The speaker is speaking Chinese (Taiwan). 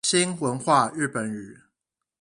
新文化日本語